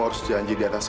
apa ayah maksud ayah